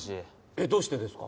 えっ？どうしてですか？